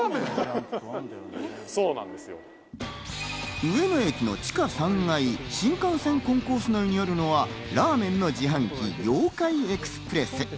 上野駅の地下３階、新幹線コンコース内にあるのはラーメンの自販機・Ｙｏ−ＫａｉＥｘｐｒｅｓｓ。